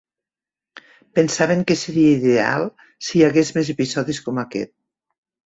Pensaven que seria ideal si hi hagués més episodis com aquest.